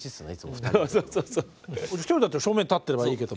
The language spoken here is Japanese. １人だったら正面立ってればいいけど。